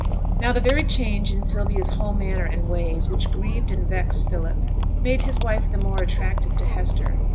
Now the very change in Sylvia's whole manner and ways, which grieved and vexed Philip, made his wife the more attractive to Hester.